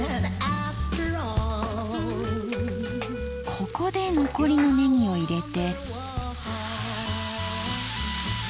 ここで残りのねぎを入れて。